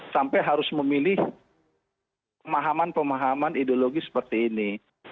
sampai harus memilih pemahaman pemahaman ideologi seperti ini